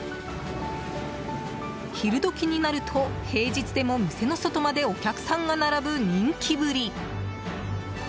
昼時になると平日でも店の外までお客さんが並ぶ、人気ぶり。